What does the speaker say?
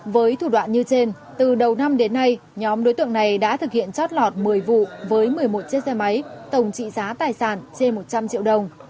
với thủ đoạn như trên từ đầu năm đến nay nhóm đối tượng này đã thực hiện chót lọt một mươi vụ với một mươi một chiếc xe máy tổng trị giá tài sản trên một trăm linh triệu đồng